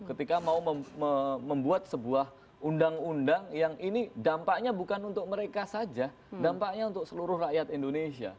ketika mau membuat sebuah undang undang yang ini dampaknya bukan untuk mereka saja dampaknya untuk seluruh rakyat indonesia